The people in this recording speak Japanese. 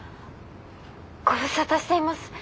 ご無沙汰しています。